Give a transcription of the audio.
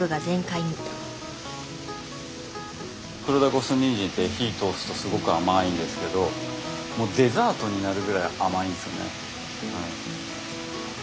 黒田五寸ニンジンって火通すとすごく甘いんですけどもうデザートになるぐらい甘いんですよね。